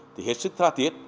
thì hết sức tha thiết